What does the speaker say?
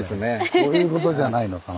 こういうことじゃないのかな。